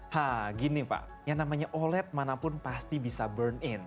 hah gini pak yang namanya oled manapun pasti bisa burn in